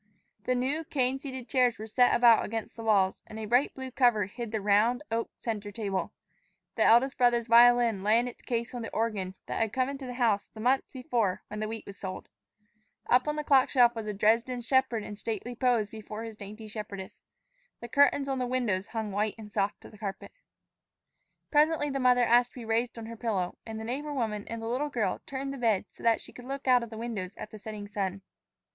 The new cane seated chairs were set about against the walls, and a bright blue cover hid the round, oak center table. The eldest brother's violin lay in its case on the organ that had come into the house the month before when the wheat was sold. Up on the clock shelf was a Dresden shepherd in stately pose before his dainty shepherdess. The curtains on the windows hung white and soft to the carpet. Presently the mother asked to be raised on her pillow, and the neighbor woman and the little girl turned the bed so that she could look out of the windows at the setting sun.